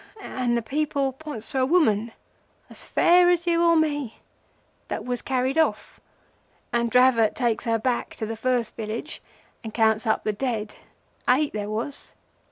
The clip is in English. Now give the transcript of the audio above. and the people points to a woman, as fair as you or me, that was carried off, and Dravot takes her back to the first village and counts up the dead—eight there was.